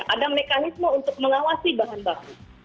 ada mekanisme untuk mengawasi bahan baku